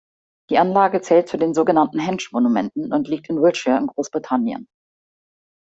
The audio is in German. Die Anlage zählt zu den so genannten Henge-Monumenten und liegt in Wiltshire, in Großbritannien.